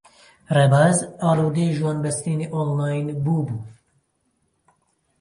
ڕێباز ئاڵوودەی ژوانبەستنی ئۆنلاین بووبوو.